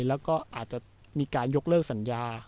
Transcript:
แล้วก็อาจจะมีการยกเลิกสัญญา